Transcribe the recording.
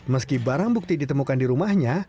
meski barang bukti ditemukan di rumahnya